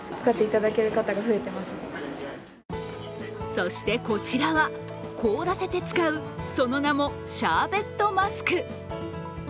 そして、こちらは凍らせて使うその名もシャーベットマスク。